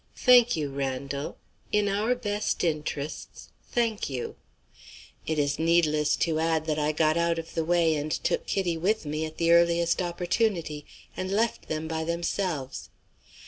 Thank you, Randal. In our best interests, thank you. "It is needless to add that I got out of the way, and took Kitty with me, at the earliest opportunity and left them by themselves.